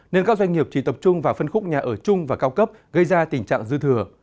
nên các doanh nghiệp chỉ tập trung vào phân khúc nhà ở chung và cao cấp gây ra tình trạng dư thừa